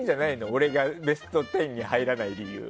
俺がベスト１０に入らない理由。